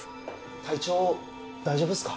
体調大丈夫っすか？